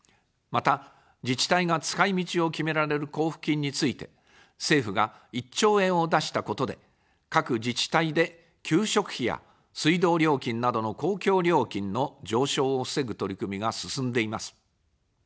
また、自治体が使い道を決められる交付金について、政府が１兆円を出したことで、各自治体で給食費や水道料金などの公共料金の上昇を防ぐ取り組みが進んでいます。